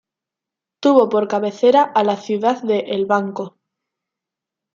Tuvo por cabecera a la ciudad de El Banco.